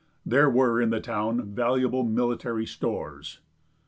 There were in the town valuable military stores.